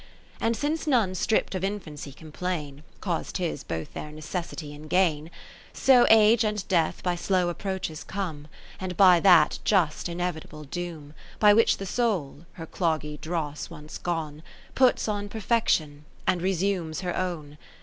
lo And since none stript of infancy complain, 'Cause 'tis both their necessity and gain : SoAgeand Death by slow approaches come, And by that just inevitable doom By which the soul (her cloggy dross once gone) Puts on perfection, and resumes her own.